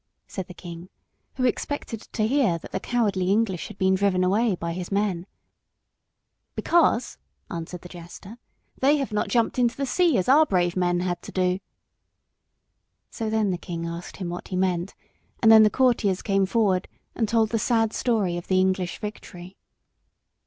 said the king, who expected to hear that the cowardly English had been driven away by his men. [Illustration: ·KING· ·EDWARD· ·SAILS· ·FOR· ·FRANCE·] "Because," answered the jester, "they have not jumped into the sea as our brave men had to do." So then the king asked him what he meant, and then the courtiers came forward and told the sad story of the English victory.